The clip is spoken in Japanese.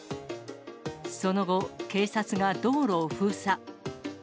その後、警察が道路を封鎖。